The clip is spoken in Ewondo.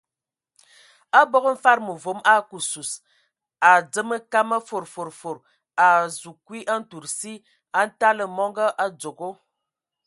Abog mfad məvom a ake sus, a dzemə kam a fod fod fod, a a azu kwi ntud asi, a ntala mɔngɔ a dzogo.